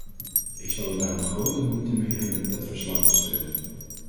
Ik zal er daarom grote moeite mee hebben dat verslag te steunen.